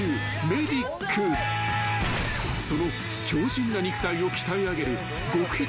［その強靱な肉体を鍛え上げる］